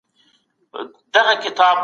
خپل ذهن تازه وساتئ.